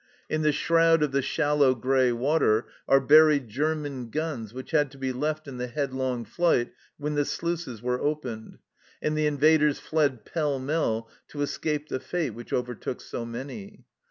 In the shroud of the shallow grey water are buried German guns which had to be left in the headlong flight when the sluices were opened, and the invaders fled pell mell, to escape the fate which overtook so many.